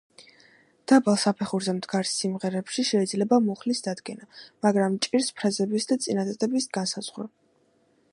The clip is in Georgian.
დაბალ საფეხურზე მდგარ სიმღერებში შეიძლება მუხლის დადგენა, მაგრამ ჭირს ფრაზების და წინადადებების განსაზღვრა.